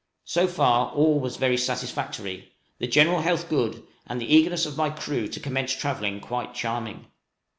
So far all was very satisfactory, the general health good, and the eagerness of my crew to commence travelling quite charming.